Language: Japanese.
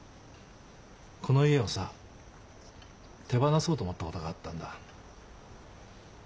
この家をさ手放そうと思ったことがあったんだ。